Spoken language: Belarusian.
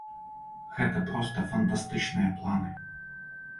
Гэта проста фантастычныя планы.